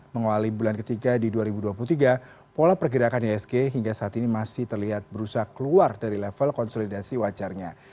mengawali bulan ketiga di dua ribu dua puluh tiga pola pergerakan isg hingga saat ini masih terlihat berusaha keluar dari level konsolidasi wajarnya